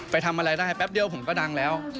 ไปทำอะไรได้แป๊บเดียวผมก็ดังแล้ว